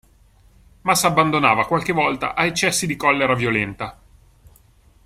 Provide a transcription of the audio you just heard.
Ma s'abbandonava qualche volta a eccessi di collera violenta.